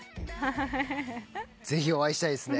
ぜひお会いしたいですね。